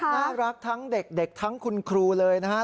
น่ารักทั้งเด็กทั้งคุณครูเลยนะฮะ